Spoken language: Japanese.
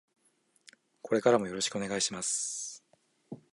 これからもよろしくお願いします。